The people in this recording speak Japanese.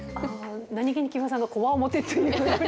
何気に木村さんがこわもてって。